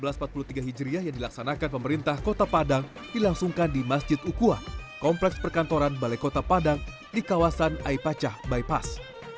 laksanaan solat idul fitri seribu empat ratus empat puluh tiga hijriah yang dilaksanakan pemerintah kota padang dilangsungkan di masjid ukua kompleks perkantoran balai kota padang di kawasan aipacah bypass